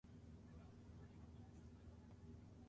She was also an proponent of the Rational Dress Society.